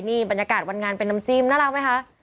นี่บรรยากาศวันงานเป็นน้ำจิ้มน่ารักไหมคะ